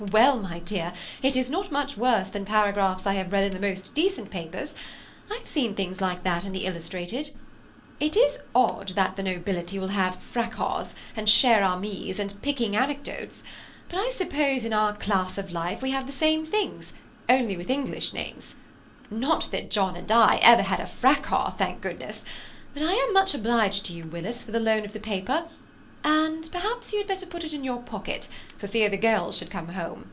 "Well, my dear, it is not much worse than paragraphs I have read in the most decent papers–I have seen things like that in the Illustrated. It is odd that the nobility will have 'Fracaws, and chère amies, and picking anecdotes,' but I suppose in our class of life we have the same things, only with English names. Not that John and I ever had a fracaw, thank goodness; but I am much obliged to you, Willis, for the loan of the paper, and perhaps you had better put it in your pocket, for fear the girls should come home."